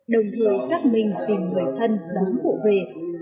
đồng thời xác minh tìm người thân đón cụ về